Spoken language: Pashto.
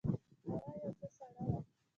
هوا یو څه سړه وه.